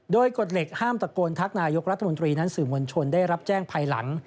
โดยกฎเหล็กห้ามตะโกนทักนายกรัฐมนตรีนั้นสื่อมวลชนได้รับแจ้งภายหลัง